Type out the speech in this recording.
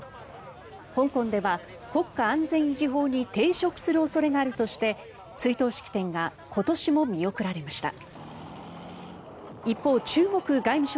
香港では国家安全維持法に抵触する恐れがあるとして追悼式典が今年も見送られました。